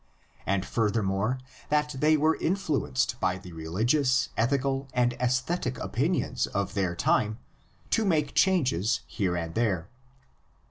343), and furthermore that they were influenced by the religious, ethical, and aesthetic opinions of their time to make changes here and there.